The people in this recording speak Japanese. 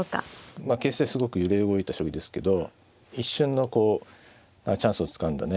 まあ形勢すごく揺れ動いた将棋ですけど一瞬のこうチャンスをつかんだね